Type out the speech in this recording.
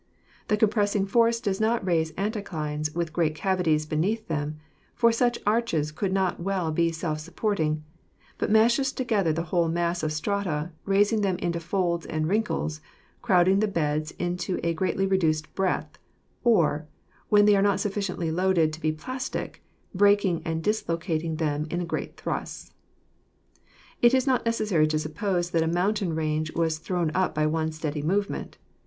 The compressing force does not raise anticlines with great cavities beneath them, for such arches could not well be self supporting, but mashes together the whole mass of strata, raising them into folds and wrinkles, crowding the beds into a greatly reduced breadth; or, when they are not sufficiently loaded to be plastic, breaking and dislocating them in great thrusts. It is not necessary to suppose that a mountain range was thrown up by one steady movement.